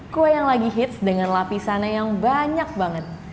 kue yang lagi hits dengan lapisannya yang banyak banget